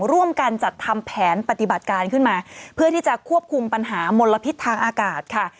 ร่วมกันจัดทำแผนปฏิบัติการขึ้นมาเพื่อที่จะควบคุมปัญหามลพิษทางอากาศค่ะ